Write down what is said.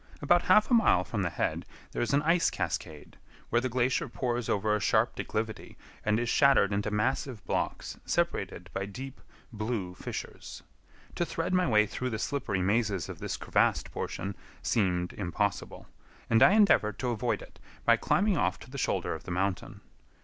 About half a mile from the head, there is an ice cascade, where the glacier pours over a sharp declivity and is shattered into massive blocks separated by deep, blue fissures. To thread my way through the slippery mazes of this crevassed portion seemed impossible, and I endeavored to avoid it by climbing off to the shoulder of the mountain.